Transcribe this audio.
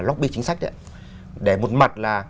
lobby chính sách để một mặt là